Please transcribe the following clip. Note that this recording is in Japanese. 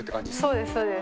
そうです、そうです。